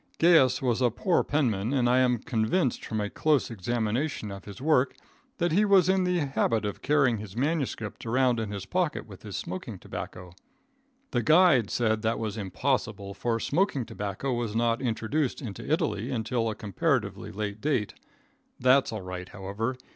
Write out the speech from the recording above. Gaius was a poor penman, and I am convinced from a close examination of his work that he was in the habit of carrying his manuscript around in his pocket with his smoking tobacco. The guide said that was impossible, for smoking tobacco was not introduced into Italy until a comparatively late day. That's all right, however.